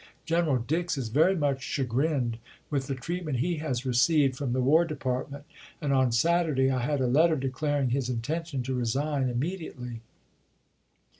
General Dix is very much chagrined with the treatment he has received from the War Department, and on Saturday I had a let ter declaring his intention to resign immediately.